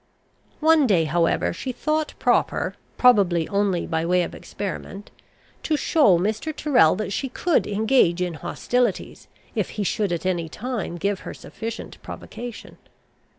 One day, however, she thought proper, probably only by way of experiment, to show Mr. Tyrrel that she could engage in hostilities, if he should at any time give her sufficient provocation.